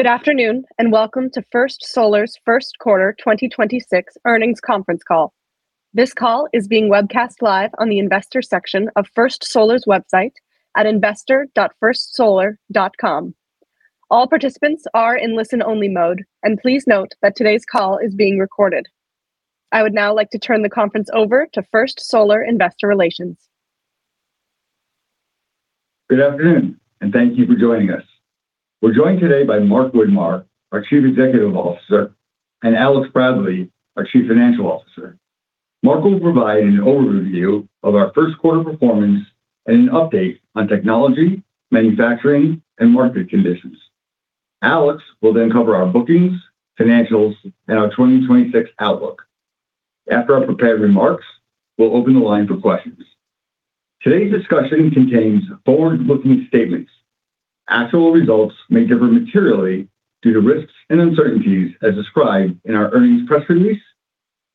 Good afternoon, and welcome to First Solar's first quarter 2026 earnings conference call. This call is being webcast live on the investor section of First Solar's website at investor.firstsolar.com. All participants are in listen-only mode, and please note that today's call is being recorded. I would now like to turn the conference over to First Solar investor relations. Good afternoon, and thank you for joining us. We're joined today by Mark Widmar, our Chief Executive Officer, and Alex Bradley, our Chief Financial Officer. Mark will provide an overview of our first quarter performance and an update on technology, manufacturing, and market conditions. Alex will cover our bookings, financials, and our 2026 outlook. After our prepared remarks, we'll open the line for questions. Today's discussion contains forward-looking statements. Actual results may differ materially due to risks and uncertainties as described in our earnings press release,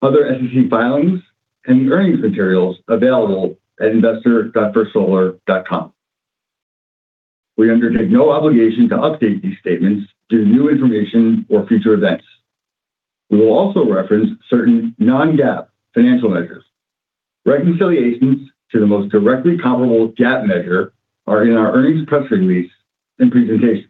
other SEC filings, and earnings materials available at investor.firstsolar.com. We undertake no obligation to update these statements due to new information or future events. We will also reference certain non-GAAP financial measures. Reconciliations to the most directly comparable GAAP measure are in our earnings press release and presentation.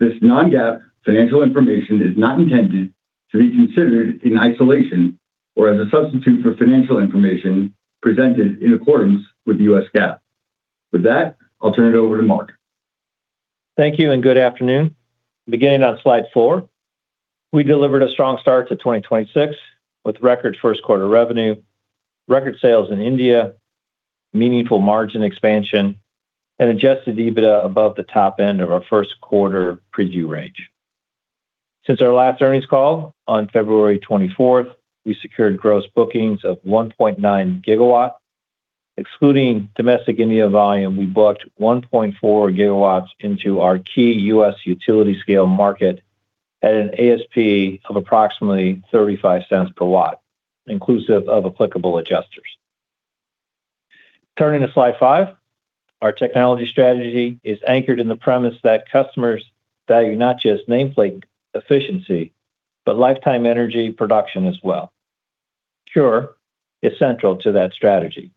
This non-GAAP financial information is not intended to be considered in isolation or as a substitute for financial information presented in accordance with the U.S. GAAP. With that, I'll turn it over to Mark. Thank you and good afternoon. Beginning on slide four, we delivered a strong start to 2026 with record first quarter revenue, record sales in India, meaningful margin expansion, and adjusted EBITDA above the top end of our first quarter preview range. Since our last earnings call on February 24th, we secured gross bookings of 1.9 GW. Excluding domestic India volume, we booked 1.4 GW into our key U.S. utility scale market at an ASP of approximately $0.35 per watt, inclusive of applicable adjusters. Turning to slide five, our technology strategy is anchored in the premise that customers value not just nameplate efficiency, but lifetime energy production as well. CuRe is central to that strategy.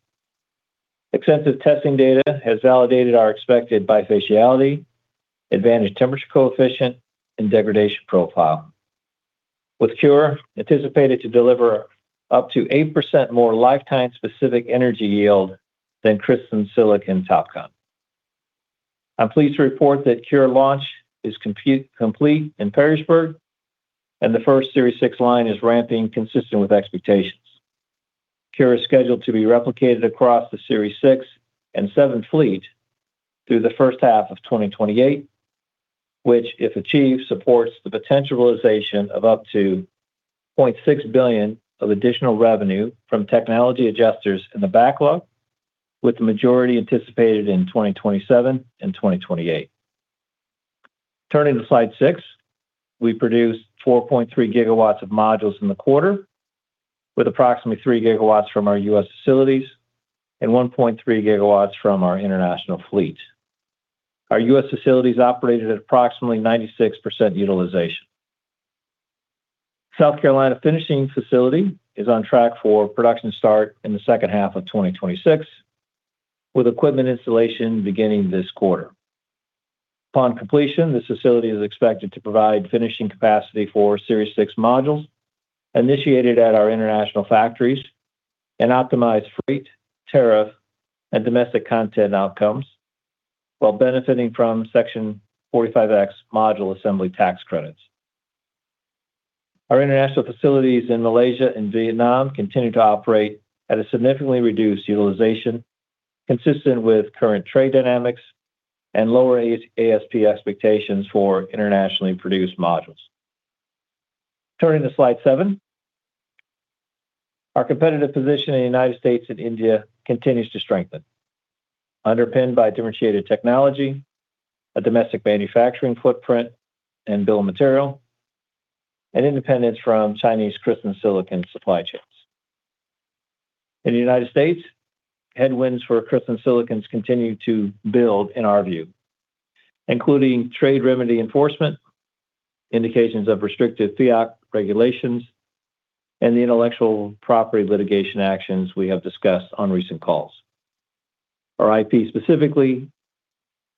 Extensive testing data has validated our expected bifaciality, advantage temperature coefficient, and degradation profile. With CuRe anticipated to deliver up to 8% more lifetime specific energy yield than crystalline silicon TOPCon. I'm pleased to report that CuRe launch is complete in Perrysburg, and the first Series 6 line is ramping consistent with expectations. CuRe is scheduled to be replicated across the Series 6 and 7 fleet through the first half of 2028, which, if achieved, supports the potential realization of up to $0.6 billion of additional revenue from technology adjusters in the backlog, with the majority anticipated in 2027 and 2028. Turning to slide six, we produced 4.3 GW of modules in the quarter, with approximately 3 GW from our U.S. facilities and 1.3 GW from our international fleet. Our U.S. facilities operated at approximately 96% utilization. South Carolina finishing facility is on track for production start in the second half of 2026, with equipment installation beginning this quarter. Upon completion, this facility is expected to provide finishing capacity for Series 6 modules initiated at our international factories and optimize freight, tariff, and domestic content outcomes while benefiting from Section 45X module assembly tax credits. Our international facilities in Malaysia and Vietnam continue to operate at a significantly reduced utilization, consistent with current trade dynamics and lower ASP expectations for internationally produced modules. Turning to slide seven, our competitive position in the United States and India continues to strengthen, underpinned by differentiated technology, a domestic manufacturing footprint and bill of material, and independence from Chinese crystalline silicon supply chains. In the United States, headwinds for crystalline silicons continue to build in our view, including trade remedy enforcement, indications of restricted FEOC regulations, and the intellectual property litigation actions we have discussed on recent calls. Our IP specifically,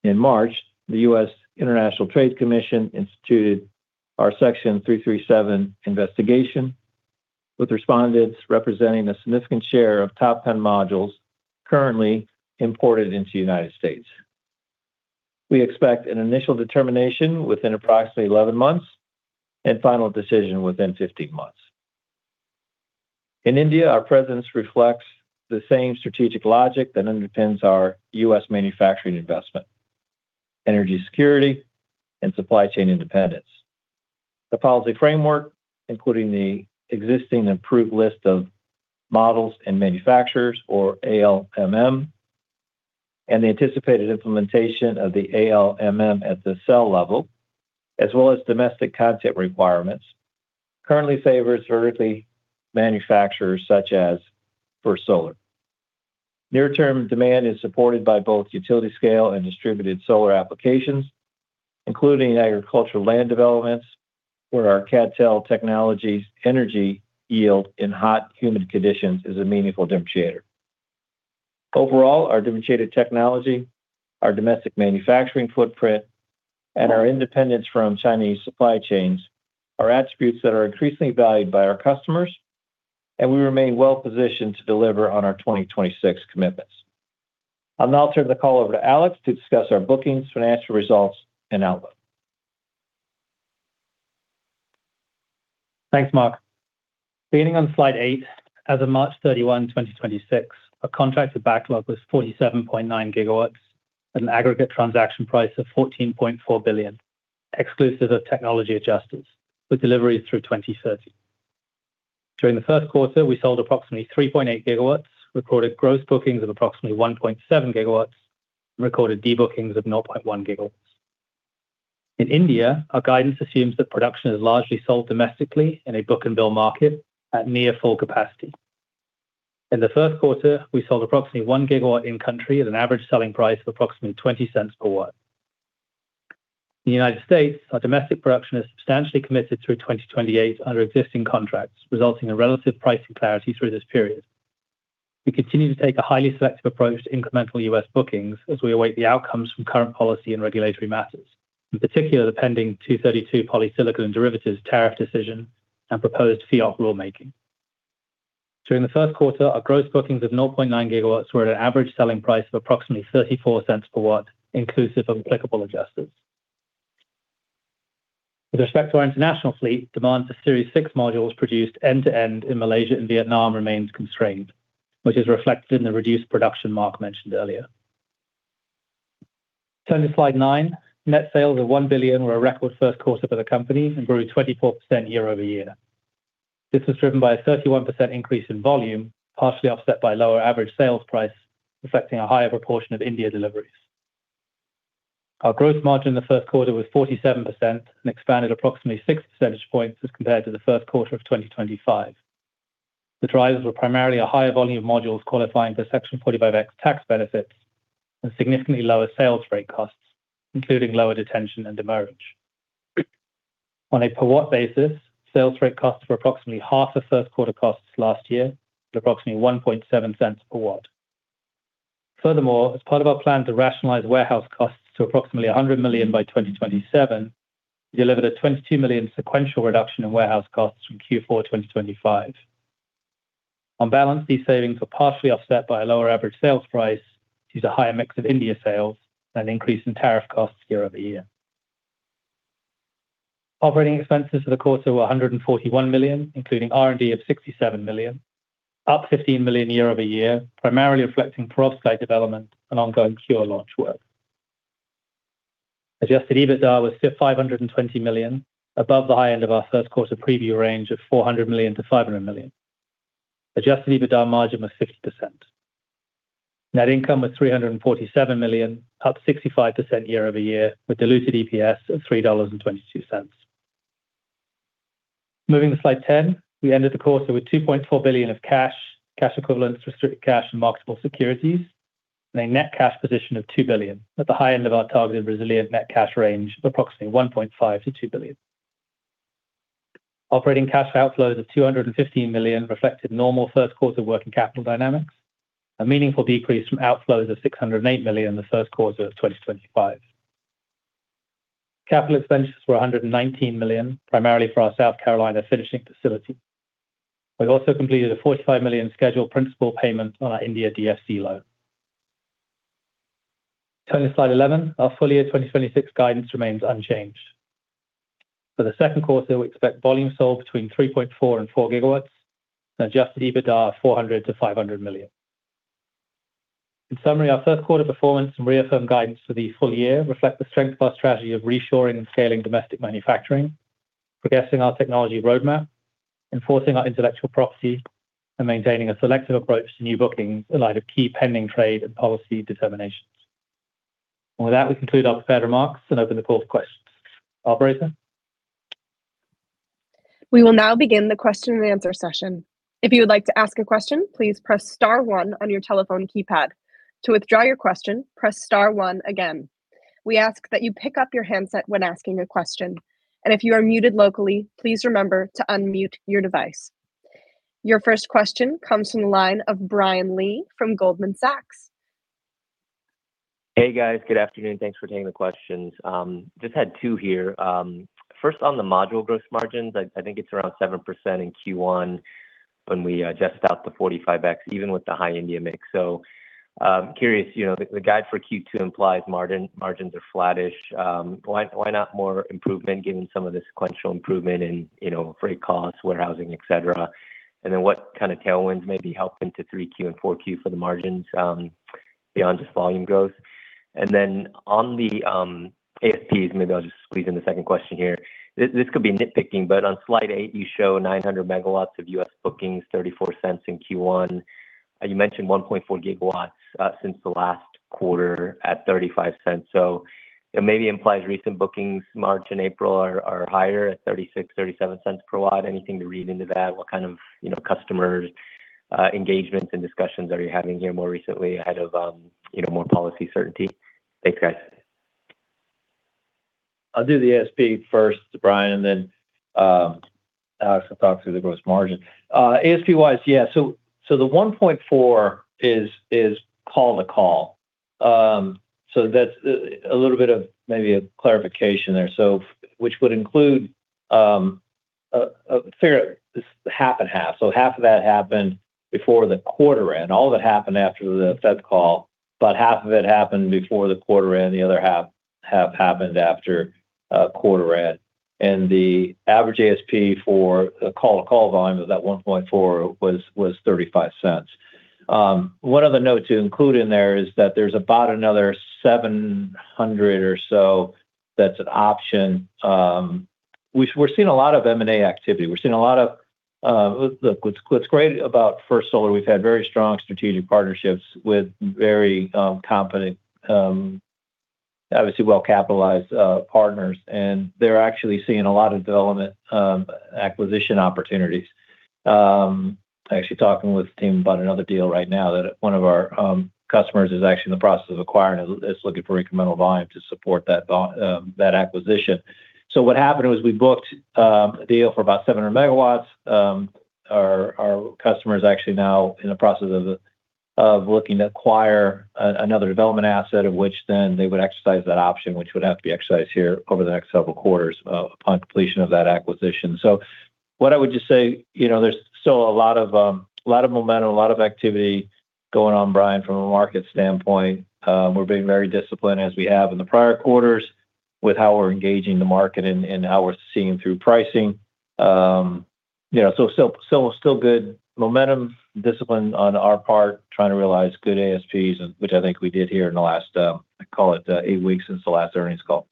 in March, the U.S. International Trade Commission instituted our Section 337 investigation with respondents representing a significant share of top 10 modules currently imported into the United States. We expect an initial determination within approximately 11 months and final decision within 15 months. In India, our presence reflects the same strategic logic that underpins our U.S. manufacturing investment, energy security, and supply chain independence. The policy framework, including the existing approved list of models and manufacturers or ALMM, and the anticipated implementation of the ALMM at the cell level, as well as domestic content requirements, currently favors vertically manufacturers such as First Solar Near-term demand is supported by both utility scale and distributed solar applications, including agricultural land developments, where our CdTe technology's energy yield in hot, humid conditions is a meaningful differentiator. Overall, our differentiated technology, our domestic manufacturing footprint, and our independence from Chinese supply chains are attributes that are increasingly valued by our customers, and we remain well-positioned to deliver on our 2026 commitments. I'll now turn the call over to Alex to discuss our bookings, financial results, and outlook. Thanks, Mark. Beginning on slide eight, as of March 31, 2026, our contracted backlog was 47.9 GW at an aggregate transaction price of $14.4 billion, exclusive of technology adjustments, with deliveries through 2030. During the first quarter, we sold approximately 3.8 GW, recorded gross bookings of approximately 1.7 GW, and recorded debookings of 0.1 GW. In India, our guidance assumes that production is largely sold domestically in a book-and-bill market at near full capacity. In the first quarter, we sold approximately 1 GW in-country at an average selling price of approximately $0.20 per watt. In the United States, our domestic production is substantially committed through 2028 under existing contracts, resulting in relative pricing clarity through this period. We continue to take a highly selective approach to incremental U.S. bookings as we await the outcomes from current policy and regulatory matters, in particular, the pending 232 polysilicon derivatives tariff decision and proposed FEOC rulemaking. During the first quarter, our gross bookings of 0.9 GW were at an average selling price of approximately $0.34 per watt, inclusive of applicable adjustments. With respect to our international fleet, demand for Series 6 modules produced end-to-end in Malaysia and Vietnam remains constrained, which is reflected in the reduced production Mark mentioned earlier. Turning to slide nine, net sales of $1 billion were a record first quarter for the company and grew 24% year-over-year. This was driven by a 31% increase in volume, partially offset by lower average sales price, reflecting a higher proportion of India deliveries. Our gross margin in the first quarter was 47% and expanded approximately 6 percentage points as compared to the first quarter of 2025. The drivers were primarily a higher volume of modules qualifying for Section 45X tax benefits and significantly lower sales rate costs, including lower detention and demurrage. On a per-watt basis, sales rate costs were approximately half of first quarter costs last year at approximately $0.017 per watt. As part of our plan to rationalize warehouse costs to approximately $100 million by 2027, we delivered a $22 million sequential reduction in warehouse costs from Q4 2025. On balance, these savings were partially offset by a lower average sales price due to higher mix of India sales and an increase in tariff costs year-over-year. Operating expenses for the quarter were $141 million, including R&D of $67 million, up $15 million year-over-year, primarily reflecting perovskite development and ongoing CuRe launch work. Adjusted EBITDA was $520 million, above the high end of our first quarter preview range of $400 million-$500 million. Adjusted EBITDA margin was 60%. Net income was $347 million, up 65% year-over-year, with diluted EPS of $3.22. Moving to slide 10, we ended the quarter with $2.4 billion of cash equivalents, restricted cash, and marketable securities, and a net cash position of $2 billion at the high end of our targeted resilient net cash range of approximately $1.5 billion-$2 billion. Operating cash outflows of $215 million reflected normal first quarter working capital dynamics, a meaningful decrease from outflows of $608 million in the first quarter of 2025. Capital expenditures were $119 million, primarily for our South Carolina finishing facility. We also completed a $45 million scheduled principal payment on our India DFC loan. Turning to slide 11, our full-year 2026 guidance remains unchanged. For the second quarter, we expect volumes sold between 3.4 GW and 4 GW and adjusted EBITDA of $400 million-$500 million. In summary, our first quarter performance and reaffirmed guidance for the full year reflect the strength of our strategy of reshoring and scaling domestic manufacturing, progressing our technology roadmap, enforcing our intellectual property, and maintaining a selective approach to new bookings in light of key pending trade and policy determinations. With that, we conclude our prepared remarks and open the floor for questions. Operator? We will now begin the question and answer session. If you would like to ask a question, please press star one on your telephone keypad. To withdraw your question, press star one again. We ask that you pick up your handset when asking a question. If you are muted locally, please remember to unmute your device. Your first question comes from the line of Brian Lee from Goldman Sachs. Hey, guys. Good afternoon. Thanks for taking the questions. Just had two here. First on the module gross margins, I think it's around 7% in Q1 when we adjust out the 45X, even with the high India mix. Curious, you know, the guide for Q2 implies margins are flattish. Why not more improvement given some of the sequential improvement in, you know, freight costs, warehousing, et cetera? What kind of tailwinds may be helping to 3Q and 4Q for the margins beyond just volume growth? On the ASPs, maybe I'll just squeeze in the second question here. This could be nitpicking, but on slide eight, you show 900 MW of U.S. bookings, $0.34 in Q1. You mentioned 1.4 GW since the last quarter at $0.35. It maybe implies recent bookings March and April are higher at $0.36-$0.37 per watt. Anything to read into that? What kind of, you know, customers, engagements and discussions are you having here more recently ahead of, you know, more policy certainty? Thanks, guys. I'll do the ASP first, Brian, and then Alex will talk through the gross margin. ASP-wise, yeah. The 1.4 GW is call to call. That's a little bit of maybe a clarification there. Which would include a figure, this 50/50. Half of that happened before the quarter end, all of it happened after the Feb call, but half of it happened before the quarter end, the other half happened after quarter end. The average ASP for a call to call volume of that 1.4 GW was $0.35. One other note to include in there is that there's about another 700 MW or so that's an option. We're seeing a lot of M&A activity. We're seeing a lot of, what's great about First Solar, we've had very strong strategic partnerships with very competent, obviously well-capitalized partners. They're actually seeing a lot of development, acquisition opportunities. Actually talking with the team about another deal right now that one of our customers is actually in the process of acquiring, is looking for incremental volume to support that acquisition. What happened was we booked a deal for about 700 MW. Our customer is actually now in the process of looking to acquire another development asset, of which then they would exercise that option, which would have to be exercised here over the next several quarters upon completion of that acquisition. What I would just say, you know, there's still a lot of momentum, a lot of activity going on, Brian, from a market standpoint. We're being very disciplined as we have in the prior quarters with how we're engaging the market and how we're seeing through pricing. You know, still good momentum, discipline on our part, trying to realize good ASPs, and which I think we did here in the last, I call it, eight weeks since the last earnings call.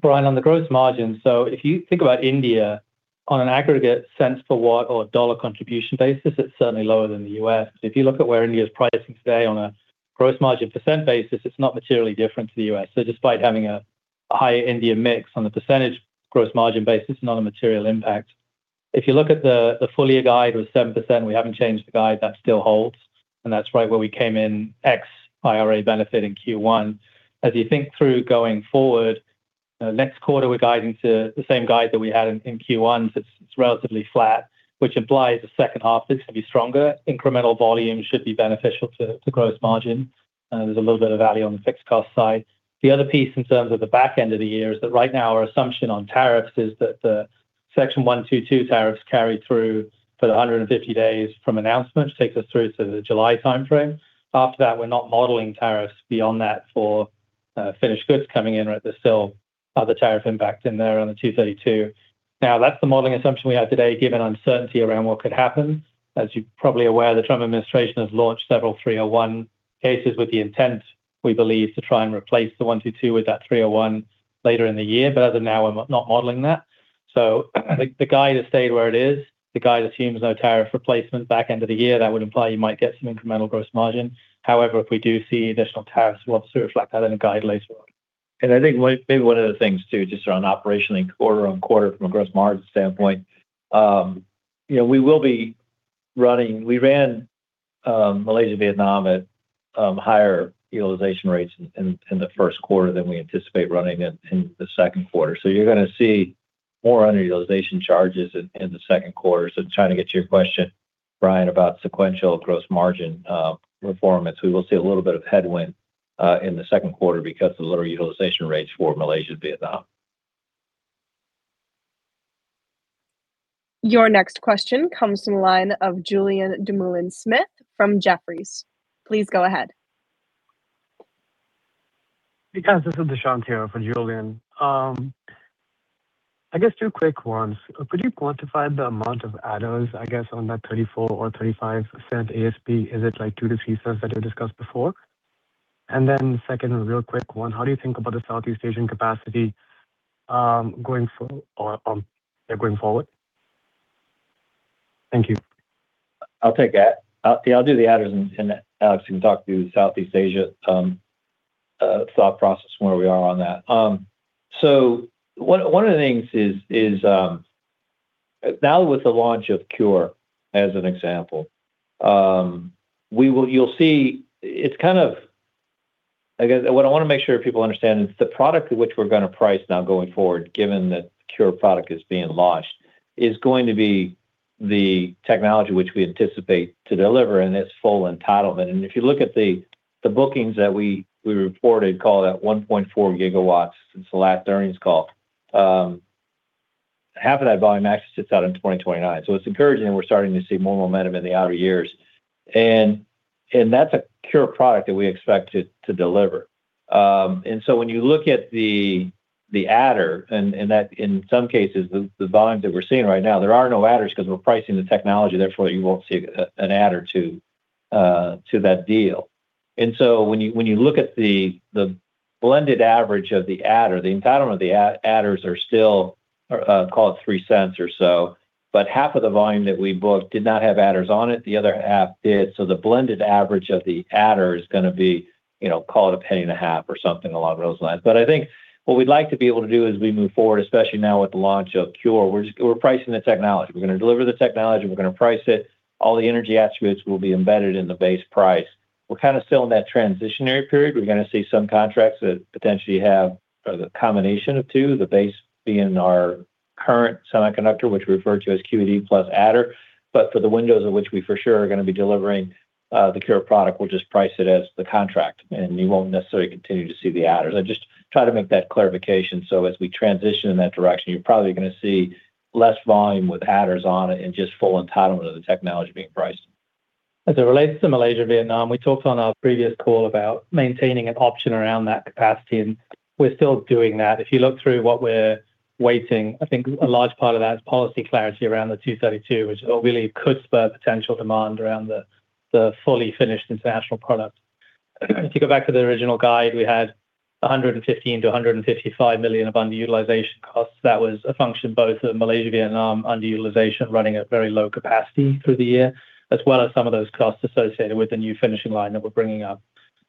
Brian, on the gross margin, if you think about India on an aggregate sense per watt or dollar contribution basis, it's certainly lower than the U.S. If you look at where India's pricing today on a gross margin percent basis, it's not materially different to the U.S. Despite having a higher India mix on the percentage gross margin basis, not a material impact. If you look at the full year guide was 7%, we haven't changed the guide, that still holds, and that's right where we came in X IRA benefit in Q1. As you think through going forward, next quarter we're guiding to the same guide that we had in Q1, it's relatively flat, which implies the second half is to be stronger. Incremental volumes should be beneficial to gross margin. There's a little bit of value on the fixed cost side. The other piece in terms of the back end of the year is that right now our assumption on tariffs is that the Section 122 tariffs carry through for the 150 days from announcement, which takes us through to the July timeframe. After that, we're not modeling tariffs beyond that for finished goods coming in, right? There's still other tariff impacts in there on the Section 232. That's the modeling assumption we have today, given uncertainty around what could happen. As you're probably aware, the Trump administration has launched several Section 301 cases with the intent, we believe, to try and replace the Section 122 with that Section 301 later in the year. As of now, I'm not modeling that. The, the guide has stayed where it is. The guide assumes no tariff replacement back end of the year. That would imply you might get some incremental gross margin. However, if we do see additional tariffs, we'll reflect that in the guide later on. I think maybe one of the things too, just around operationally quarter-on-quarter from a gross margin standpoint, you know, We ran Malaysia, Vietnam at higher utilization rates in the first quarter than we anticipate running in the second quarter. You're gonna see more underutilization charges in the second quarter. Trying to get to your question, Brian, about sequential gross margin performance. We will see a little bit of headwind in the second quarter because of the lower utilization rates for Malaysia, Vietnam. Your next question comes from the line of Julien Dumoulin-Smith from Jefferies. Please go ahead. Hey, guys, this is Dushyant here for Julien. I guess two quick ones. Could you quantify the amount of adders, I guess, on that $0.34 or $0.35 ASP? Is it like $0.02-$0.03 that you discussed before? Then second real quick one, how do you think about the Southeast Asian capacity going forward? Thank you. I'll take that. Yeah, I'll do the adders and Alex can talk to Southeast Asia thought process and where we are on that. One of the things is now with the launch of CuRe, as an example, you'll see it's kind of I guess what I wanna make sure people understand is the product at which we're gonna price now going forward, given that CuRe product is being launched, is going to be the technology which we anticipate to deliver in its full entitlement. If you look at the bookings that we reported, call it at 1.4 GW since the last earnings call, 1/2 of that volume actually sits out in 2029. It's encouraging that we're starting to see more momentum in the outer years. That's a CuRe product that we expect to deliver. When you look at the adder, and that in some cases, the volumes that we're seeing right now, there are no adders 'cause we're pricing the technology, therefore you won't see an adder to that deal. When you look at the blended average of the adder, the entitlement of the adders are still, call it $0.03 or so. Half of the volume that we booked did not have adders on it, the other half did. The blended average of the adder is gonna be, you know, call it $0.015 or something along those lines. I think what we'd like to be able to do as we move forward, especially now with the launch of CuRe, we're pricing the technology. We're gonna deliver the technology, we're gonna price it. All the energy attributes will be embedded in the base price. We're kind of still in that transitionary period. We're gonna see some contracts that potentially have the combination of two, the base being our current semiconductor, which we refer to as [QED] plus adder. For the windows in which we for sure are gonna be delivering the CuRe product, we'll just price it as the contract, and you won't necessarily continue to see the adders. I just try to make that clarification so as we transition in that direction, you're probably gonna see less volume with adders on it and just full entitlement of the technology being priced. As it relates to Malaysia, Vietnam, we talked on our previous call about maintaining an option around that capacity, we're still doing that. If you look through what we're waiting, I think a large part of that is policy clarity around the 232, which really could spur potential demand around the fully finished international product. If you go back to the original guide, we had $115 million-$155 million of underutilization costs. That was a function both of Malaysia, Vietnam underutilization, running at very low capacity through the year, as well as some of those costs associated with the new finishing line that we're bringing up.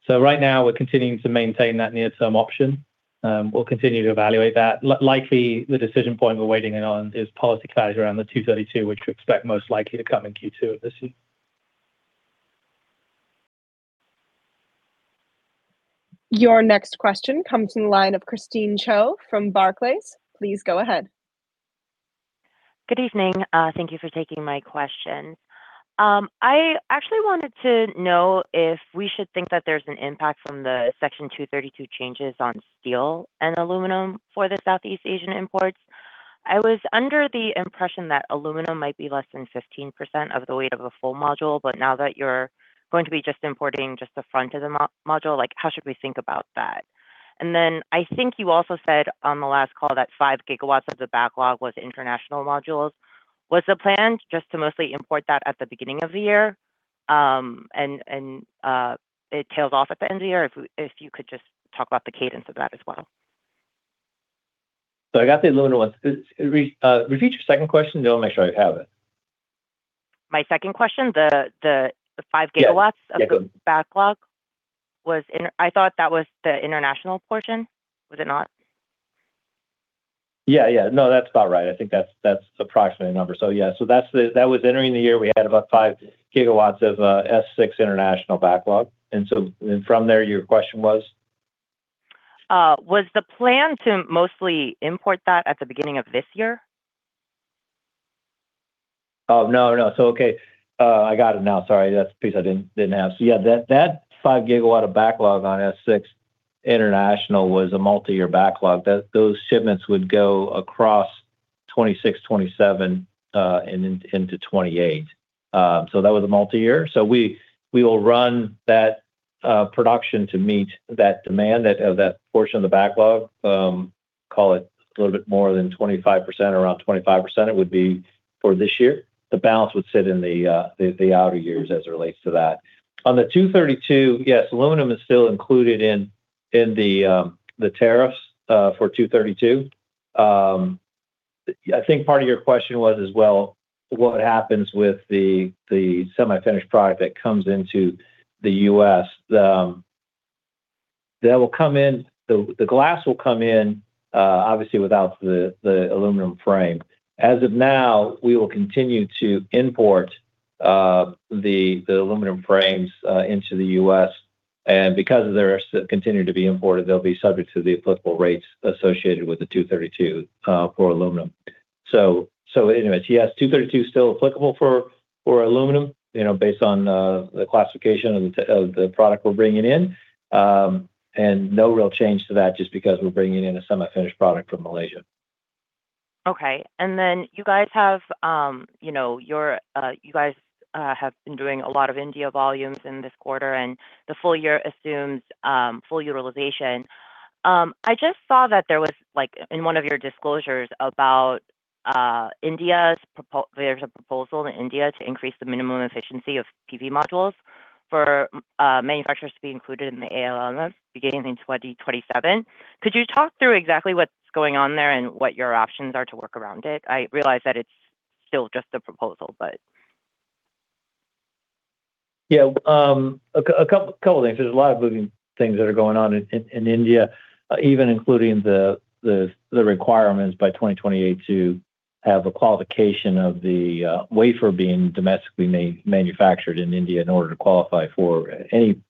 Right now we're continuing to maintain that near-term option. We'll continue to evaluate that. Likely, the decision point we're waiting on is policy clarity around the 232, which we expect most likely to come in Q2 of this year. Your next question comes in the line of Christine Cho from Barclays. Please go ahead. Good evening. Thank you for taking my question. I actually wanted to know if we should think that there's an impact from the Section 232 changes on steel and aluminum for the Southeast Asian imports. I was under the impression that aluminum might be less than 15% of the weight of a full module, but now that you're going to be just importing just the front of the module, like, how should we think about that? I think you also said on the last call that 5 GW of the backlog was international modules. Was the plan just to mostly import that at the beginning of the year, it tails off at the end of the year? If you could just talk about the cadence of that as well. I got the aluminum one. Repeat your second question though, make sure I have it. My second question, the 5 GW. Yeah. Yeah, go on Of the backlog I thought that was the international portion. Was it not? Yeah, yeah. No, that's about right. I think that's the approximate number. Yeah, that was entering the year, we had about 5 GW of S6 international backlog. From there, your question was? Was the plan to mostly import that at the beginning of this year? Oh, no. Okay, I got it now. Sorry, that's the piece I didn't have. Yeah, that 5 GW of backlog on S6 international was a multi-year backlog. Those shipments would go across 2026, 2027, into 2028. That was a multi-year. We will run that production to meet that demand of that portion of the backlog. Call it a little bit more than 25%. Around 25% it would be for this year. The balance would sit in the outer years as it relates to that. On the 232, yes, aluminum is still included in the tariffs for 232. I think part of your question was as well, what happens with the semi-finished product that comes into the U.S. The glass will come in, obviously without the aluminum frame. As of now, we will continue to import the aluminum frames into the U.S. Because they're still continuing to be imported, they'll be subject to the applicable rates associated with the 232 for aluminum. So anyway, yes, 232 is still applicable for aluminum, you know, based on the classification of the product we're bringing in. No real change to that just because we're bringing in a semi-finished product from Malaysia. Okay. You guys have, you know, you're, you guys have been doing a lot of India volumes in this quarter, and the full year assumes full utilization. I just saw that there was, like, in one of your disclosures about there's a proposal in India to increase the minimum efficiency of PV modules for manufacturers to be included in the ALMM beginning in 2027. Could you talk through exactly what's going on there and what your options are to work around it? I realize that it's still just a proposal, but. Yeah, a couple of things. There's a lot of moving things that are going on in India, even including the requirements by 2028 to have a qualification of the wafer being domestically manufactured in India in order to qualify for any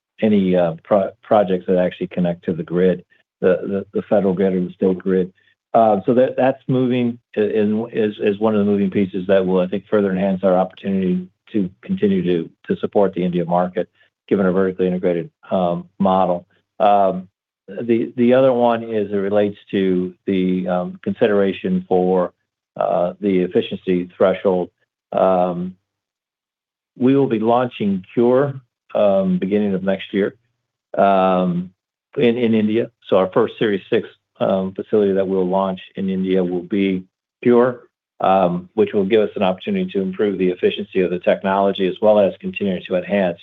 projects that actually connect to the grid, the federal grid or the state grid. That's moving and is one of the moving pieces that will, I think, further enhance our opportunity to continue to support the India market, given a vertically integrated model. The other one is it relates to the consideration for the efficiency threshold. We will be launching CuRe beginning of next year in India. Our first Series 6 facility that we'll launch in India will be CuRe, which will give us an opportunity to improve the efficiency of the technology, as well as continuing to enhance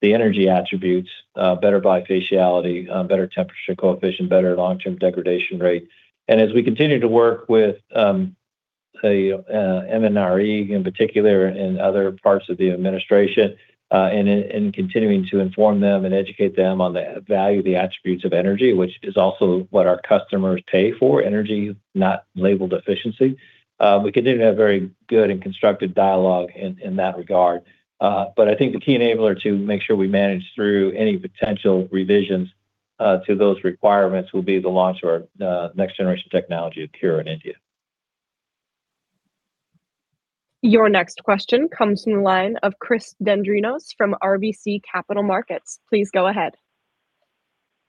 the energy attributes, better bifaciality, better temperature coefficient, better long-term degradation rate. As we continue to work with, say, MNRE in particular and other parts of the administration, and continuing to inform them and educate them on the value of the attributes of energy, which is also what our customers pay for, energy, not labeled efficiency, we continue to have very good and constructive dialogue in that regard. But I think the key enabler to make sure we manage through any potential revisions to those requirements will be the launch of our next generation technology of CuRe in India. Your next question comes from the line of Chris Dendrinos from RBC Capital Markets. Please go ahead.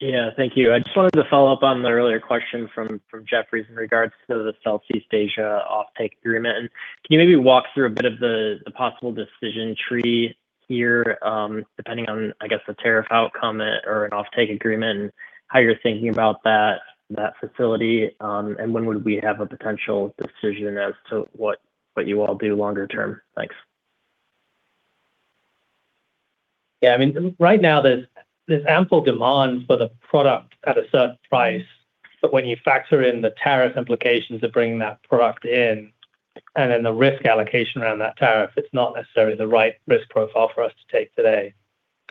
Yeah. Thank you. I just wanted to follow up on the earlier question from Jefferies in regards to the Southeast Asia offtake agreement. Can you maybe walk through a bit of the possible decision tree here, depending on, I guess, the tariff outcome or an offtake agreement and how you're thinking about that facility? When would we have a potential decision as to what you all do longer term? Thanks. Yeah, I mean, right now there's ample demand for the product at a certain price. When you factor in the tariff implications of bringing that product in and then the risk allocation around that tariff, it's not necessarily the right risk profile for us to take today.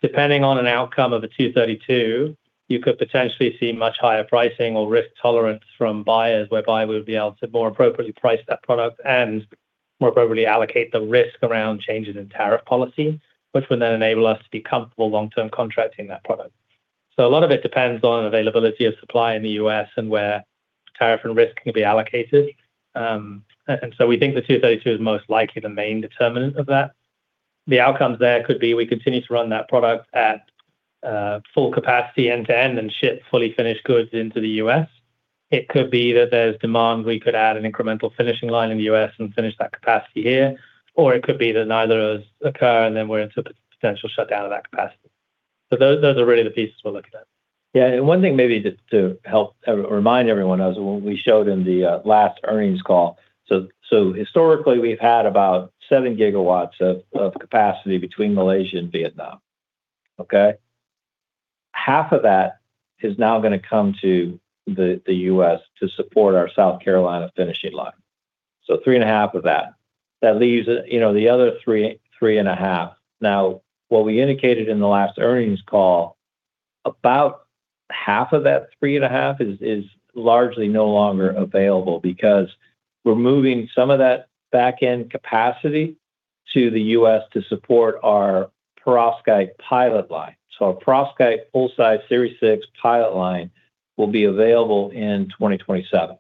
Depending on an outcome of a 232, you could potentially see much higher pricing or risk tolerance from buyers whereby we would be able to more appropriately price that product and more appropriately allocate the risk around changes in tariff policy, which would then enable us to be comfortable long-term contracting that product. A lot of it depends on availability of supply in the U.S. and where tariff and risk can be allocated. We think the 232 is most likely the main determinant of that. The outcomes there could be we continue to run that product at full capacity end-to-end and ship fully finished goods into the U.S. It could be that there's demand, we could add an incremental finishing line in the U.S. and finish that capacity here. It could be that neither of those occur, and then we're into potential shutdown of that capacity. Those are really the pieces we're looking at. Yeah. One thing maybe just to help remind everyone as when we showed in the last earnings call. Historically, we've had about 7 GW of capacity between Malaysia and Vietnam, okay? Half of that is now gonna come to the U.S. to support our South Carolina finishing line. 3.5 GW of that. That leaves, you know, the other 3.5 GW. What we indicated in the last earnings call, about 1/2 of that 3.5 GW is largely no longer available because we're moving some of that backend capacity to the U.S. to support our perovskite pilot line. Our perovskite full-size Series 6 pilot line will be available in 2027.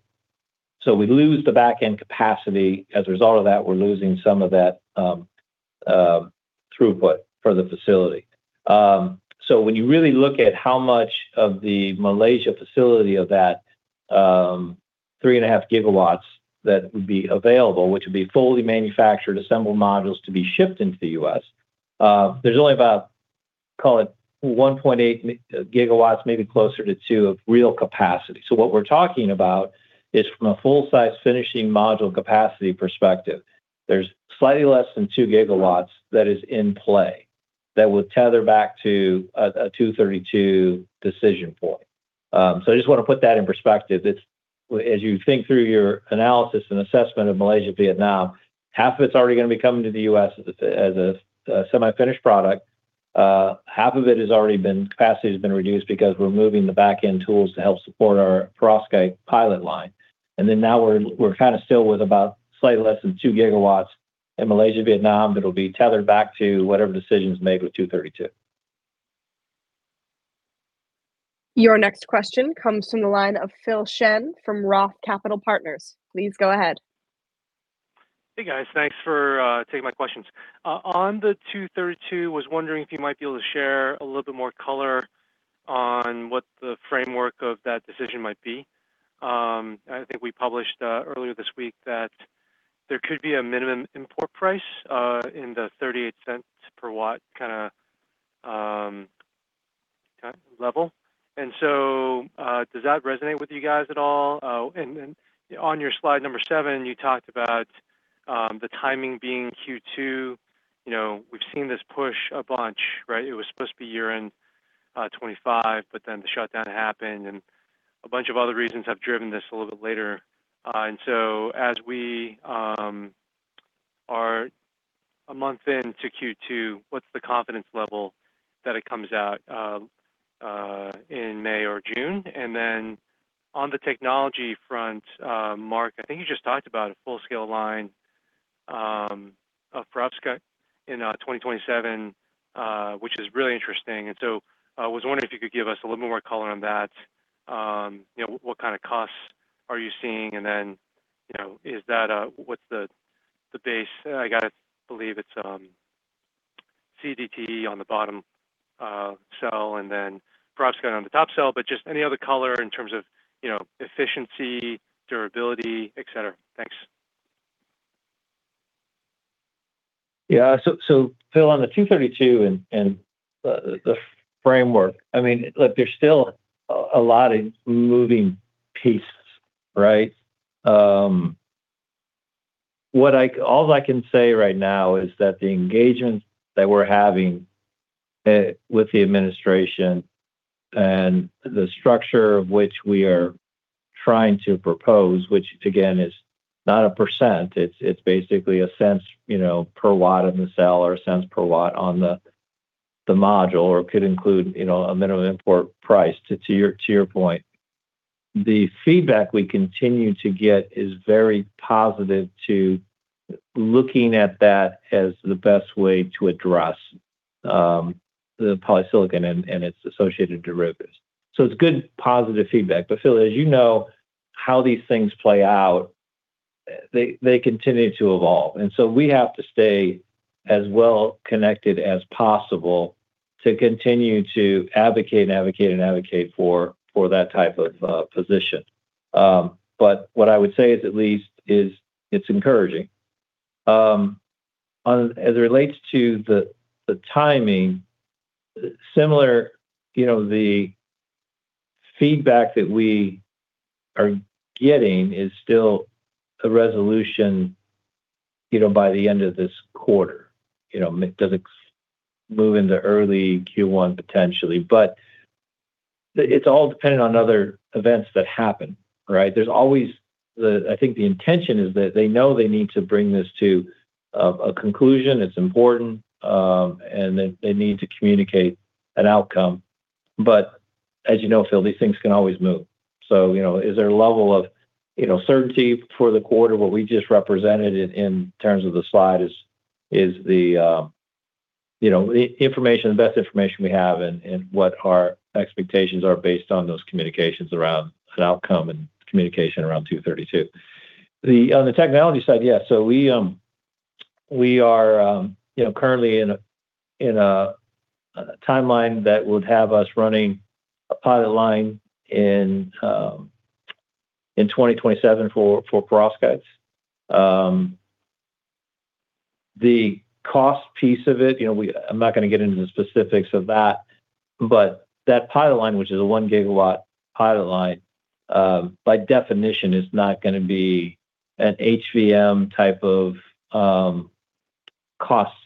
We lose the backend capacity. As a result of that, we're losing some of that throughput for the facility. When you really look at how much of the Malaysia facility of that, 3.5 GW that would be available, which would be fully manufactured, assembled modules to be shipped into the U.S., there's only about, call it 1.8 GW, maybe closer to 2 GW of real capacity. What we're talking about is from a full-size finishing module capacity perspective, there's slightly less than 2 GW that is in play that would tether back to a 232 decision point. I just wanna put that in perspective. As you think through your analysis and assessment of Malaysia, Vietnam, half of it's already gonna be coming to the U.S. as a, as a semi-finished product. Half of it has already been capacity has been reduced because we're moving the backend tools to help support our perovskite pilot line. Now we're kinda still with about slightly less than 2 GW in Malaysia, Vietnam, that'll be tethered back to whatever decision is made with 232. Your next question comes from the line of Phil Shen from Roth Capital Partners. Please go ahead. Hey, guys. Thanks for taking my questions. On the Section 232, was wondering if you might be able to share a little bit more color on what the framework of that decision might be. I think we published earlier this week that there could be a minimum import price in the $0.38 per watt kinda level. Does that resonate with you guys at all? On your slide number seven, you talked about the timing being Q2. You know, we've seen this push a bunch, right? It was supposed to be year-end 2025, the shutdown happened, a bunch of other reasons have driven this a little bit later. As we are a month into Q2, what's the confidence level that it comes out in May or June? On the technology front, Mark, I think you just talked about a full-scale line of perovskite in 2027, which is really interesting. Was wondering if you could give us a little more color on that. You know, what kind of costs are you seeing? Then, you know, is that what's the base? I gotta believe it's CdTe on the bottom cell, and then perovskite on the top cell. Just any other color in terms of, you know, efficiency, durability, et cetera. Thanks. Phil, on the 232 and the framework, I mean, look, there's still a lot of moving pieces, right? All I can say right now is that the engagement that we're having with the administration and the structure of which we are trying to propose, which again is not a percent, it's basically a cents, you know, per watt in the cell or cents per watt on the module, or could include, you know, a minimum import price to your point. The feedback we continue to get is very positive to looking at that as the best way to address the polysilicon and its associated derivatives. It's good positive feedback. Phil, as you know, how these things play out, they continue to evolve. We have to stay as well connected as possible to continue to advocate for that type of position. What I would say is at least it's encouraging. As it relates to the timing, similar, you know, the feedback that we are getting is still a resolution, you know, by the end of this quarter. You know, it doesn't move into early Q1 potentially. It's all dependent on other events that happen, right? There's always I think the intention is that they know they need to bring this to a conclusion. It's important, and they need to communicate an outcome. As you know, Phil, these things can always move. You know, is there a level of, you know, certainty for the quarter? What we just represented in terms of the slide is the, you know, the information, the best information we have and what our expectations are based on those communications around an outcome and communication around Section 232. The, on the technology side, yeah. We are, you know, currently in a timeline that would have us running a pilot line in 2027 for perovskites. The cost piece of it, you know, I'm not gonna get into the specifics of that, but that pilot line, which is a 1 GW pilot line, by definition is not gonna be an HVM type of cost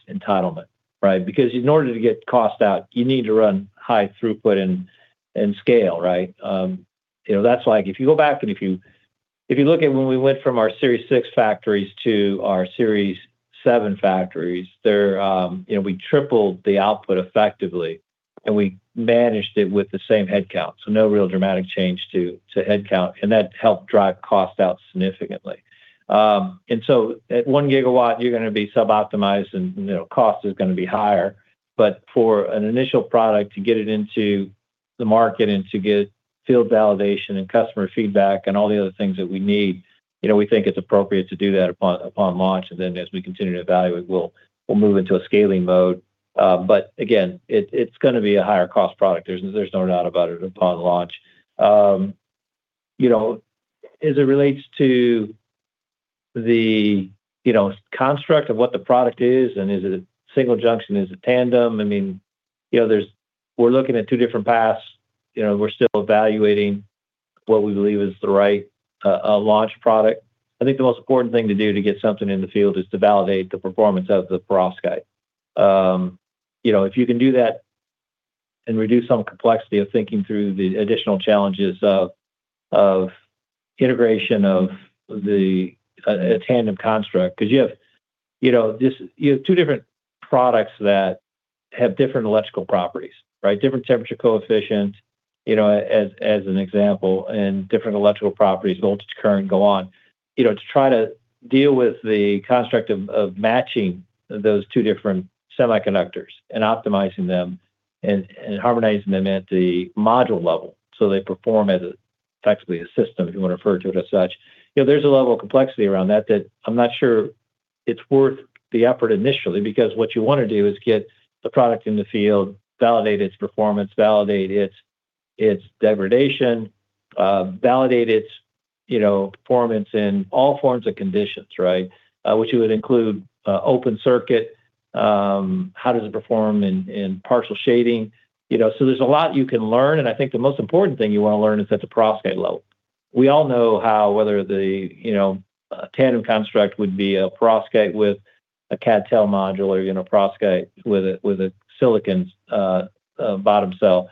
entitlement, right? Because in order to get cost out, you need to run high throughput and scale, right? You know, that's like if you go back and if you, if you look at when we went from our Series 6 factories to our Series 7 factories, they're, you know, we tripled the output effectively, and we managed it with the same headcount, so no real dramatic change to headcount, and that helped drive cost out significantly. At 1 GW, you're gonna be sub-optimized and, you know, cost is gonna be higher. For an initial product to get it into the market and to get field validation and customer feedback and all the other things that we need, you know, we think it's appropriate to do that upon launch. As we continue to evaluate, we'll move into a scaling mode. Again, it's gonna be a higher cost product. There's no doubt about it upon launch. You know, as it relates to the, you know, construct of what the product is, and is it a single junction? Is it tandem? I mean, you know, we're looking at two different paths. You know, we're still evaluating what we believe is the right launch product. I think the most important thing to do to get something in the field is to validate the performance of the perovskite. You know, if you can do that and reduce some complexity of thinking through the additional challenges of integration of a tandem construct. Cause you have, you know, you have two different products that have different electrical properties, right? Different temperature coefficient, you know, as an example, and different electrical properties, voltage, current, go on. You know, to try to deal with the construct of matching those two different semiconductors and optimizing them and harmonizing them at the module level, so they perform as effectively a system, if you wanna refer to it as such. You know, there's a level of complexity around that that I'm not sure it's worth the effort initially. What you wanna do is get the product in the field, validate its performance, validate its degradation, validate its, you know, performance in all forms of conditions, right? Which would include open circuit. How does it perform in partial shading, you know? There's a lot you can learn, and I think the most important thing you wanna learn is at the perovskite level. We all know how whether the, you know, tandem construct would be a perovskite with a CdTe module or, you know, a perovskite with a, with a silicon bottom cell.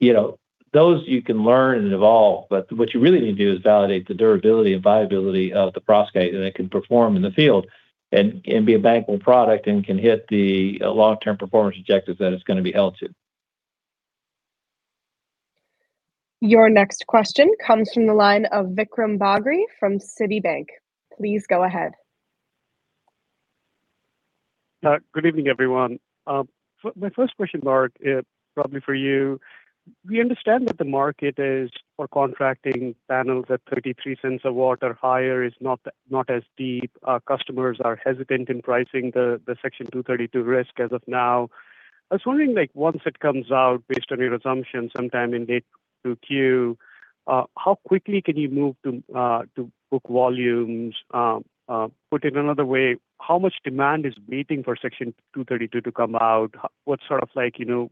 You know, those you can learn and evolve, but what you really need to do is validate the durability and viability of the perovskite, that it can perform in the field and be a bankable product and can hit the long-term performance objectives that it's gonna be held to. Your next question comes from the line of Vikram Bagri from Citibank. Please go ahead. Good evening, everyone. My first question, Mark, probably for you. We understand that the market is for contracting panels at $0.33 a watt or higher is not as deep. Our customers are hesitant in pricing the Section 232 risk as of now. I was wondering, like, once it comes out based on your assumption sometime in late 2Q, how quickly can you move to book volumes? Put it another way, how much demand is waiting for Section 232 to come out? What's sort of like, you know,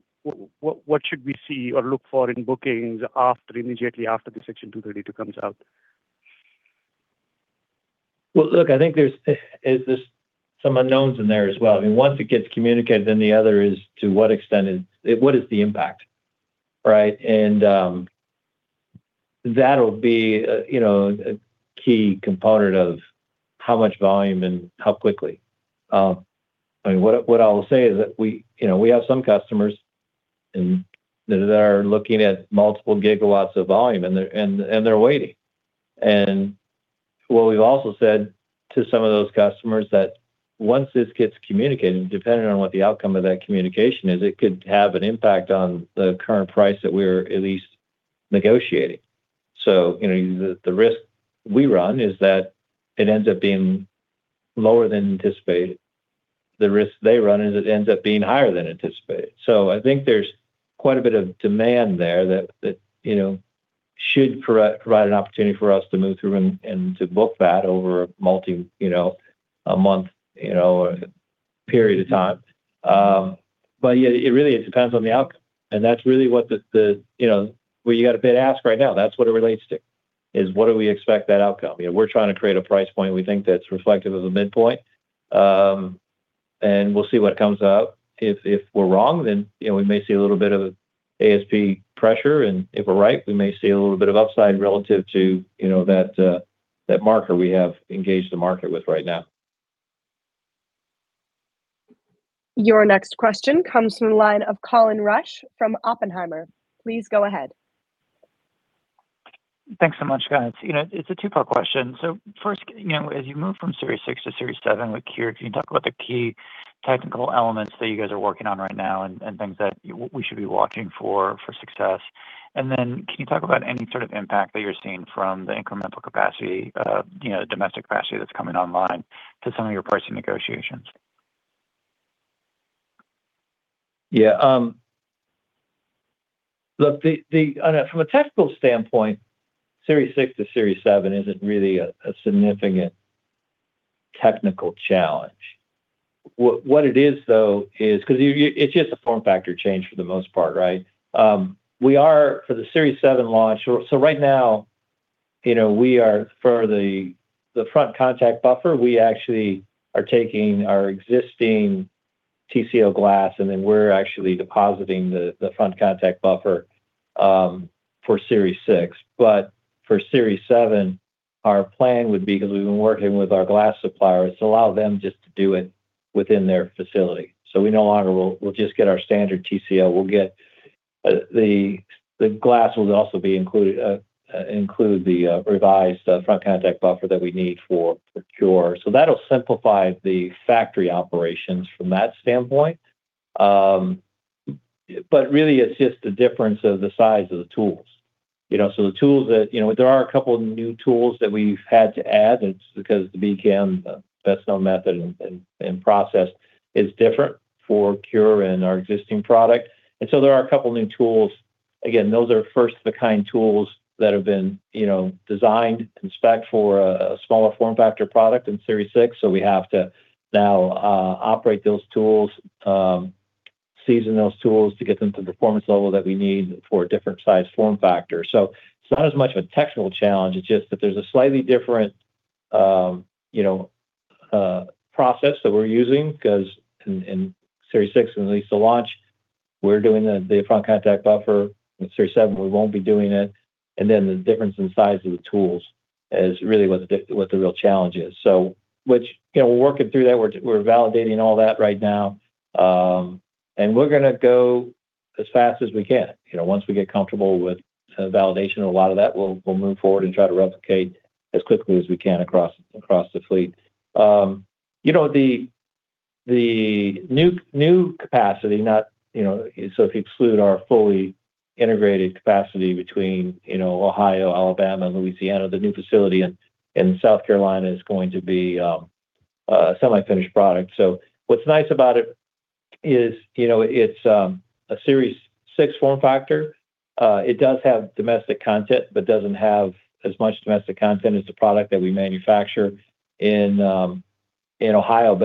what should we see or look for in bookings after, immediately after the Section 232 comes out? Well, look, I think there's some unknowns in there as well. I mean, once it gets communicated, then the other is what is the impact, right? That'll be, you know, a key component of how much volume and how quickly. I mean, what I will say is that we, you know, we have some customers that are looking at multiple gigawatts of volume, and they're waiting. What we've also said to some of those customers that once this gets communicated, depending on what the outcome of that communication is, it could have an impact on the current price that we're at least negotiating. You know, the risk we run is that it ends up being lower than anticipated. The risk they run is it ends up being higher than anticipated. I think there's quite a bit of demand there that, you know, should provide an opportunity for us to move through and to book that over a multi, you know, a month, you know, period of time. Yeah, it really it depends on the outcome, and that's really what the, you know, where you got a bid ask right now. That's what it relates to, is what do we expect that outcome. You know, we're trying to create a price point we think that's reflective of the midpoint, we'll see what comes up. If we're wrong, then, you know, we may see a little bit of ASP pressure, and if we're right, we may see a little bit of upside relative to, you know, that marker we have engaged the market with right now. Your next question comes from the line of Colin Rusch from Oppenheimer. Please go ahead. Thanks so much, guys. You know, it's a two-part question. First, you know, as you move from Series 6 to Series 7 with CuRe, can you talk about the key technical elements that you guys are working on right now and things that we should be watching for success? Then can you talk about any sort of impact that you're seeing from the incremental capacity, you know, domestic capacity that's coming online to some of your pricing negotiations? Yeah, look, from a technical standpoint, Series 6 to Series 7 isn't really a significant technical challenge. What it is, though, it's just a form factor change for the most part, right? We are for the Series 7 launch. Right now, you know, we are further the front contact buffer. We actually are taking our existing TCO glass, then we're actually depositing the front contact buffer for Series 6. For Series 7, our plan would be, because we've been working with our glass suppliers, to allow them just to do it within their facility. We'll just get our standard TCO. We'll get, the glass will also be included, include the revised front contact buffer that we need for CuRe. That will simplify the factory operations from that standpoint. Really it's just the difference of the size of the tools. You know, there are a couple new tools that we've had to add. It's because the BKM, the best known method and process is different for CuRe and our existing product. There are a couple of new tools. Again, those are first of a kind tools that have been, you know, designed and spec'd for a smaller form factor product in Series 6. We have to now operate those tools, season those tools to get them to the performance level that we need for a different size form factor. It's not as much of a technical challenge. It's just that there's a slightly different, you know, process that we're using because in Series 6 and at least to launch, we're doing the front contact buffer. In Series 7, we won't be doing it. The difference in size of the tools is really what the real challenge is. Which, you know, we're working through that. We're validating all that right now. We're going to go as fast as we can. You know, once we get comfortable with the validation of a lot of that, we'll move forward and try to replicate as quickly as we can across the fleet. You know, the new capacity, not, you know, if you exclude our fully integrated capacity between, you know, Ohio, Alabama, and Louisiana, the new facility in South Carolina is going to be a semi-finished product. What's nice about it is, you know, it's a Series 6 form factor. It does have domestic content, but doesn't have as much domestic content as the product that we manufacture in Ohio.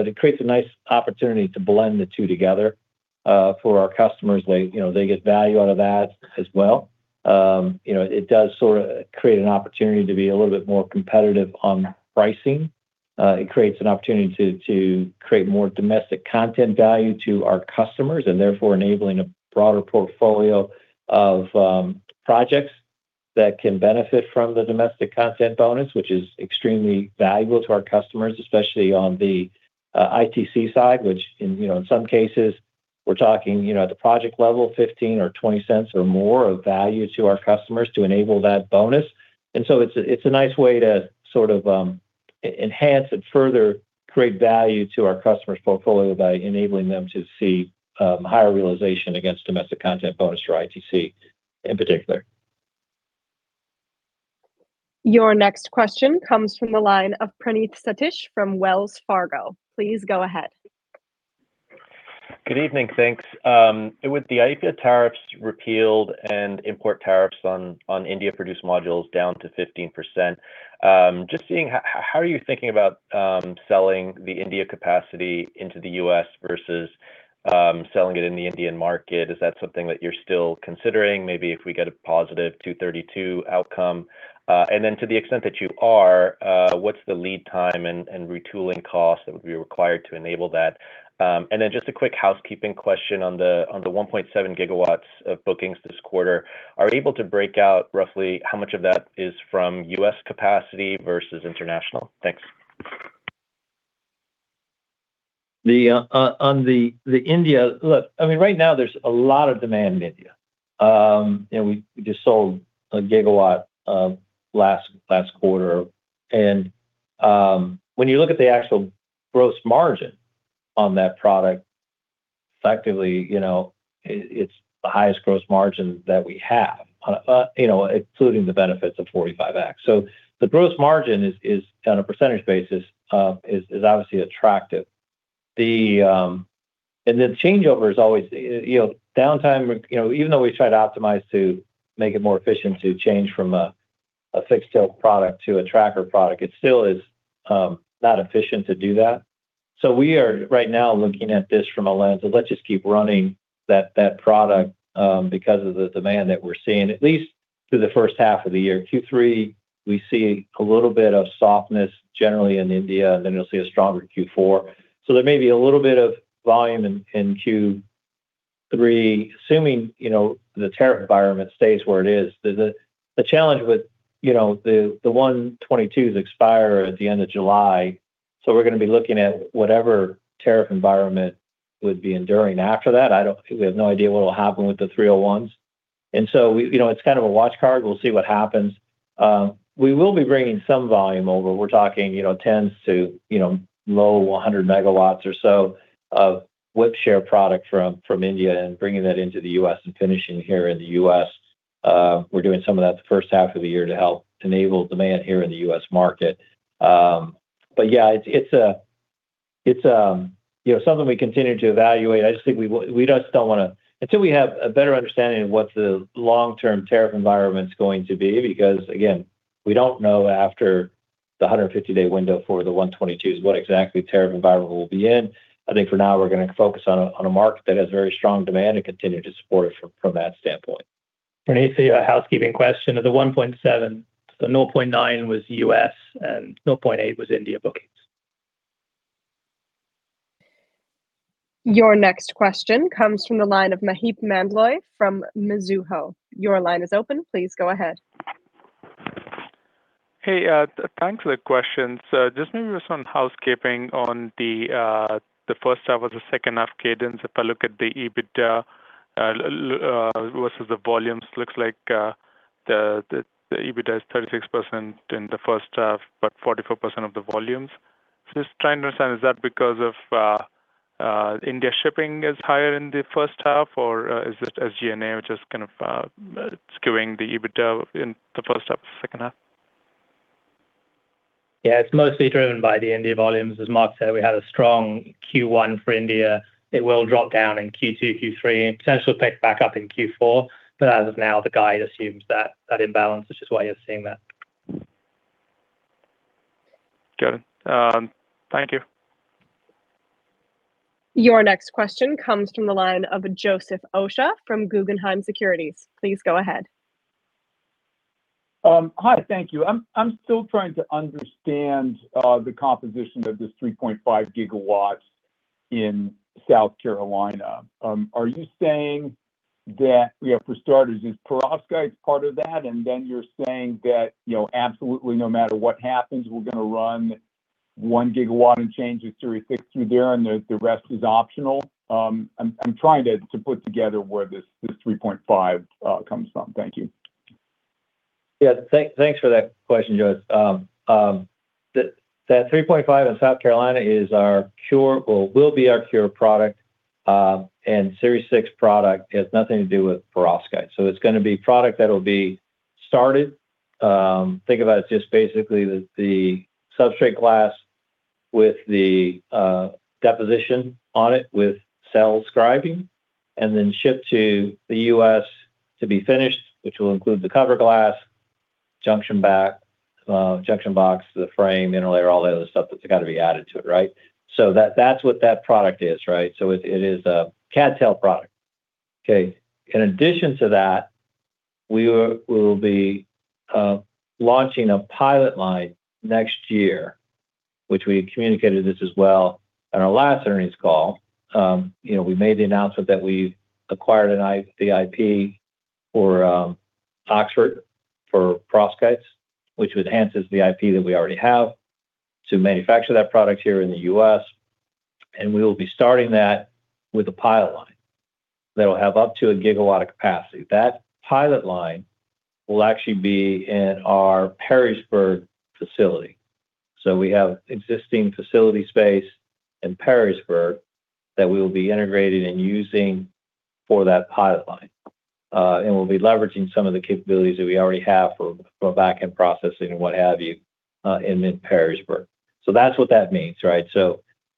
It creates a nice opportunity to blend the two together, for our customers. They, you know, they get value out of that as well. you know, it does sort of create an opportunity to be a little bit more competitive on pricing. It creates an opportunity to create more domestic content value to our customers, therefore enabling a broader portfolio of projects that can benefit from the domestic content bonus, which is extremely valuable to our customers, especially on the ITC side, which in, you know, in some cases, we're talking, you know, at the project level, $0.15 or $0.20 or more of value to our customers to enable that bonus. It's a, it's a nice way to sort of enhance and further create value to our customers' portfolio by enabling them to see higher realization against domestic content bonus for ITC in particular. Your next question comes from the line of Praneeth Satish from Wells Fargo. Please go ahead. Good evening. Thanks. With the IEEPA tariffs repealed and import tariffs on India-produced modules down to 15%, just seeing how are you thinking about selling the India capacity into the U.S. versus selling it in the Indian market? Is that something that you're still considering maybe if we get a positive 232 outcome? To the extent that you are, what's the lead time and retooling costs that would be required to enable that? Just a quick housekeeping question on the 1.7 GW of bookings this quarter. Are you able to break out roughly how much of that is from U.S. capacity versus international? Thanks. On India. Look, I mean, right now there's a lot of demand in India. You know, we just sold 1 GW of last quarter. When you look at the actual gross margin on that product, effectively, you know, it's the highest gross margin that we have excluding the benefits of 45X. The gross margin is on a percentage basis, is obviously attractive. The changeover is always, you know, downtime, you know, even though we try to optimize to make it more efficient to change from a fixed tilt product to a tracker product, it still is not efficient to do that. We are right now looking at this from a lens of let's just keep running that product because of the demand that we're seeing, at least through the first half of the year. Q3, we see a little bit of softness generally in India, you'll see a stronger Q4. There may be a little bit of volume in Q3, assuming, you know, the tariff environment stays where it is. The challenge with, you know, the 122s expire at the end of July, we're gonna be looking at whatever tariff environment would be enduring after that. We have no idea what will happen with the 301s. We, you know, it's kind of a watch card. We'll see what happens. We will be bringing some volume over. We're talking, you know, 10MWs to, you know, low 100 MW or so of WIP share product from India and bringing that into the U.S. and finishing here in the U.S. We're doing some of that the first half of the year to help enable demand here in the U.S. market. Yeah, it's a, you know, something we continue to evaluate. I just think we just don't wanna, until we have a better understanding of what the long-term tariff environment's going to be, because again, we don't know after the 150-day window for the 122s what exactly tariff environment we'll be in. I think for now we're gonna focus on a market that has very strong demand and continue to support it from that standpoint. May I say, a housekeeping question. Of the 1.7 GW, so 0.9 GW was U.S., and 0.8 GW was India bookings. Your next question comes from the line of Maheep Mandloi from Mizuho. Your line is open. Please go ahead. Hey, thanks for the question. Just maybe some housekeeping on the first half of the second half cadence. If I look at the EBITDA versus the volumes, looks like the EBITDA is 36% in the first half, but 44% of the volumes. Just trying to understand, is that because of India shipping is higher in the first half or is it SG&A which is kind of skewing the EBITDA in the first half and second half? Yeah, it's mostly driven by the India volumes. As Mark said, we had a strong Q1 for India. It will drop down in Q2, Q3, and potentially pick back up in Q4. As of now, the guide assumes that that imbalance, which is why you're seeing that. Got it. Thank you. Your next question comes from the line of Joseph Osha from Guggenheim Securities. Please go ahead. Hi. Thank you. I'm still trying to understand the composition of this 3.5 GW in South Carolina. Are you saying that, for starters, is perovskite part of that? You're saying that, you know, absolutely no matter what happens, we're gonna run 1 GW and change of Series 6 through there, and the rest is optional. I'm trying to put together where this 3.5 GW comes from. Thank you. Thank, thanks for that question, Joe. The 3.5 GW in South Carolina is our CuRe or will be our CuRe product. Series 6 product has nothing to do with perovskite. It's gonna be product that'll be started. Think about it just basically the substrate glass with the deposition on it with cell scribing and then shipped to the U.S. to be finished, which will include the cover glass, junction back, junction box, the frame, interlayer, all the other stuff that's got to be added to it, right? That, that's what that product is, right? It, it is a CdTe product. Okay. In addition to that, we will be launching a pilot line next year, which we had communicated this as well at our last earnings call. You know, we made the announcement that we acquired the IP for Oxford for perovskite, which enhances the IP that we already have to manufacture that product here in the U.S. We will be starting that with a pilot line that will have up to 1 GW of capacity. That pilot line will actually be in our Perrysburg facility. We have existing facility space in Perrysburg that we will be integrating and using for that pilot line. We'll be leveraging some of the capabilities that we already have for backend processing and what have you in mid-Perrysburg. That's what that means, right?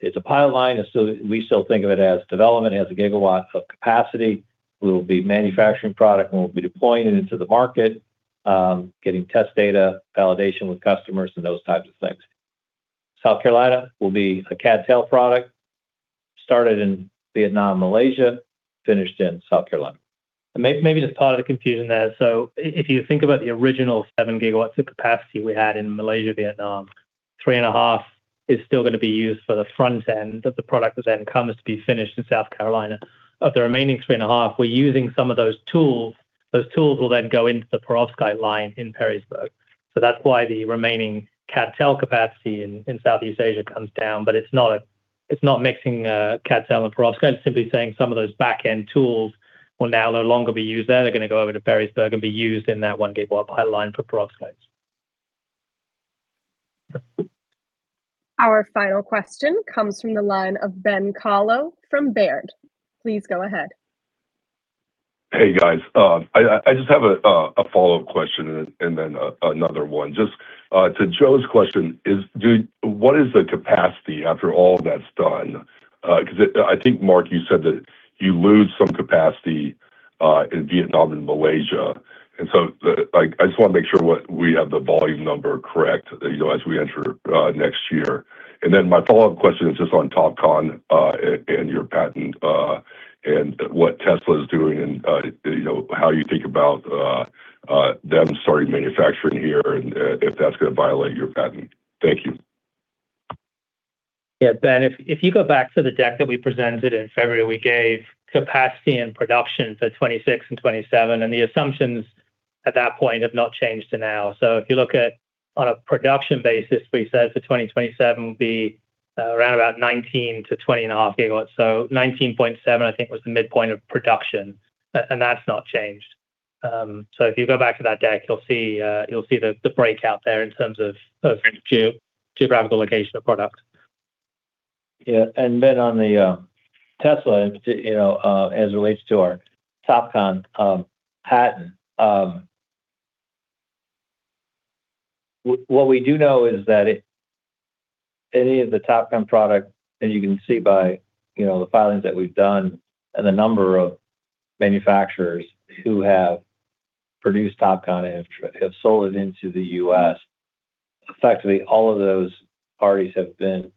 It's a pilot line, we still think of it as development. It has 1 GW of capacity. We will be manufacturing product, and we'll be deploying it into the market, getting test data, validation with customers, and those types of things. South Carolina will be a CdTe product, started in Vietnam, Malaysia, finished in South Carolina. Maybe just part of the confusion there. If you think about the original 7 GW of capacity we had in Malaysia, Vietnam, 3.5 GW is still gonna be used for the front end of the product that then comes to be finished in South Carolina. Of the remaining 3.5 GW, we're using some of those tools. Those tools will then go into the perovskite line in Perrysburg. That's why the remaining CdTe capacity in Southeast Asia comes down. It's not mixing CdTe and perovskite. It's simply saying some of those back-end tools will now no longer be used there. They're gonna go over to Perrysburg and be used in that 1 GW pipeline for perovskites. Our final question comes from the line of Ben Kallo from Baird. Please go ahead. Hey, guys. I just have a follow-up question and then another one. Just to Joe's question, what is the capacity after all that's done? Cause I think, Mark, you said that you lose some capacity in Vietnam and Malaysia. Like, I just wanna make sure we have the volume number correct, you know, as we enter next year. My follow-up question is just on TOPCon and your patent, and what Tesla is doing and, you know, how you think about them starting manufacturing here and if that's gonna violate your patent. Thank you. Ben, if you go back to the deck that we presented in February, we gave capacity and production for 2026 and 2027, and the assumptions at that point have not changed to now. If you look at on a production basis, we said for 2027 will be around about 19 GW to 20.5 GW. 19.7 GW, I think, was the midpoint of production, and that's not changed. If you go back to that deck, you'll see the breakout there in terms of geographical location of product. Yeah. Ben, on the Tesla, you know, as it relates to our TOPCon patent, what we do know is that any of the TOPCon product, and you can see by, you know, the filings that we've done and the number of manufacturers who have produced TOPCon and have sold it into the U.S., effectively all of those parties have been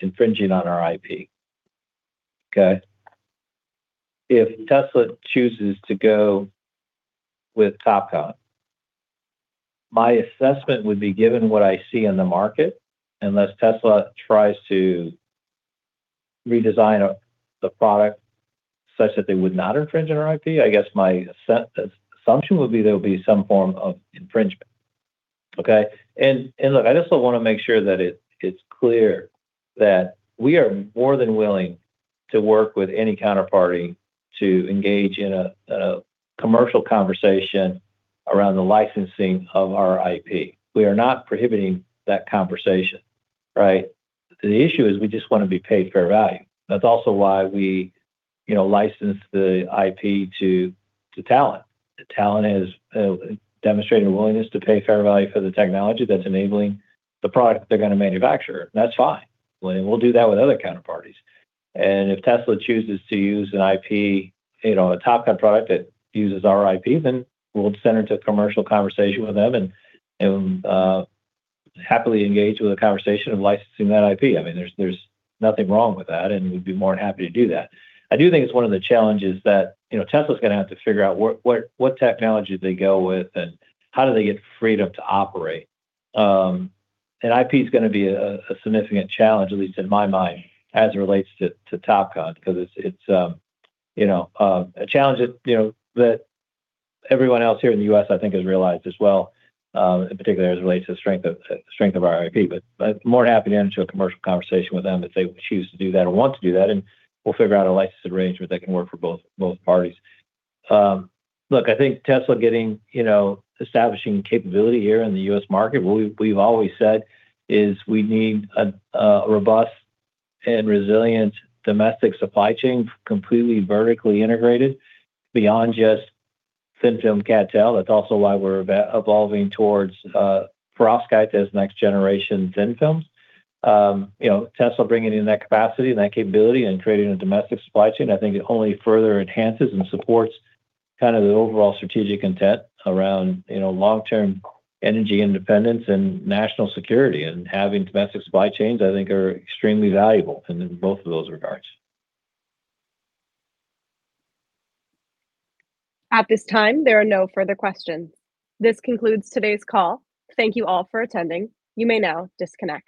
infringing on our IP. Okay? If Tesla chooses to go with TOPCon, my assessment would be, given what I see in the market, unless Tesla tries to redesign the product such that they would not infringe on our IP, I guess my assumption would be there will be some form of infringement. Okay? Look, I just want to make sure that it's clear that we are more than willing to work with any counterparty to engage in a commercial conversation around the licensing of our IP. We are not prohibiting that conversation, right? The issue is we just want to be paid fair value. That's also why we, you know, licensed the IP to Talon. Talon has demonstrated a willingness to pay fair value for the technology that's enabling the product they're going to manufacture, and that's fine. We'll do that with other counterparties. If Tesla chooses to use an IP, you know, a TOPCon product that uses our IP, then we'll just enter into a commercial conversation with them and happily engage with a conversation of licensing that IP. I mean, there's nothing wrong with that, and we'd be more than happy to do that. I do think it's one of the challenges that, you know, Tesla's gonna have to figure out what technology they go with and how do they get freedom to operate. IP is gonna be a significant challenge, at least in my mind, as it relates to TOPCon 'cause it's, you know, a challenge that, you know, that everyone else here in the U.S., I think, has realized as well, in particular as it relates to the strength of our IP. I'm more than happy to enter into a commercial conversation with them if they choose to do that or want to do that, and we'll figure out a license arrangement that can work for both parties. Look, I think Tesla getting, you know, establishing capability here in the U.S. market, what we've always said is we need a robust and resilient domestic supply chain completely vertically integrated beyond just thin-film CdTe. That's also why we're evolving towards perovskite as next-generation thin films. You know, Tesla bringing in that capacity and that capability and creating a domestic supply chain, I think it only further enhances and supports kind of the overall strategic intent around, you know, long-term energy independence and national security. Having domestic supply chains, I think, are extremely valuable in both of those regards. At this time, there are no further questions. This concludes today's call. Thank you all for attending. You may now disconnect.